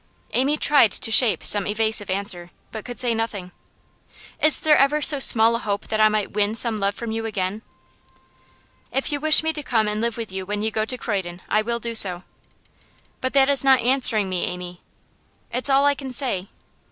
Amy tried to shape some evasive answer, but could say nothing. 'Is there ever so small a hope that I might win some love from you again?' 'If you wish me to come and live with you when you go to Croydon I will do so.' 'But that is not answering me, Amy.' 'It's all I can say.